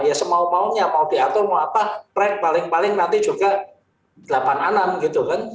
ya semau maunya mau diatur mau apa prank paling paling nanti juga delapan a enam gitu kan